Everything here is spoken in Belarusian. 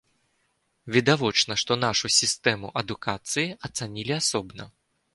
Відавочна, што нашу сістэму адукацыі ацанілі асобна.